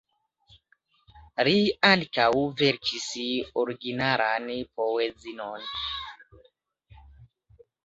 Li ankaŭ verkis originalan poezion.